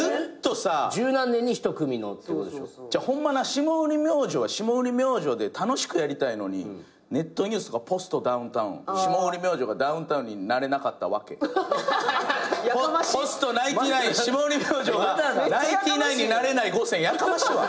霜降り明星は霜降り明星で楽しくやりたいのにネットニュースとか「ポストダウンタウン」「霜降り明星がダウンタウンになれなかったわけ」「ポストナインティナイン霜降り明星がナインティナインになれない５選」やかましいわ！